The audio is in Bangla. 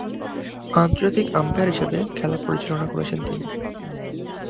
আন্তর্জাতিক আম্পায়ার হিসেবে খেলা পরিচালনা করেছেন তিনি।